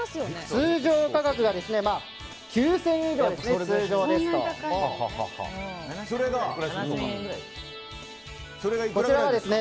通常価格が９０００円以上ですね。